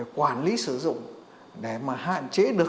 quản lý sử dụng để hạn chế được